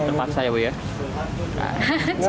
tempat saya ya